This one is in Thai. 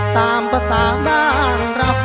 ตามภาษาบ้านเรา